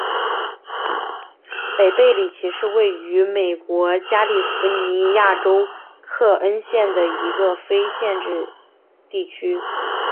北贝里奇是位于美国加利福尼亚州克恩县的一个非建制地区。